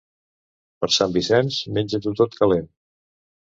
Per Sant Vicenç, menja-ho tot calent.